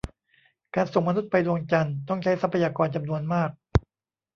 การส่งมนุษย์ไปดวงจันทร์ ต้องใช้ทรัพยากรจำนวนมาก